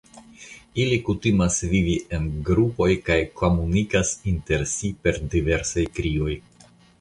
Ili kutimas vivi en grupoj kaj komunikas inter si per diversaj krioj.